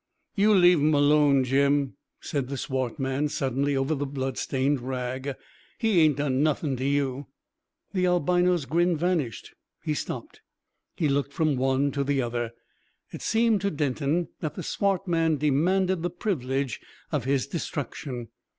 "You leave 'im alone, Jim," said the swart man suddenly over the blood stained rag. "He ain't done nothing to you." The albino's grin vanished. He stopped. He looked from one to the other. It seemed to Denton that the swart man demanded the privilege of his destruction.